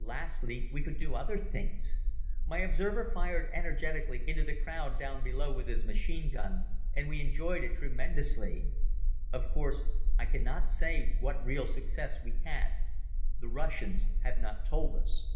Lastly, we could do other things. My observer fired energetically into the crowd down below with his machine gun and we enjoyed it tremendously. Of course, I cannot say what real success we had. The Russians have not told us.